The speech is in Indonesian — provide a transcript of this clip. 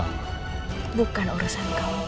bukan urusan kamu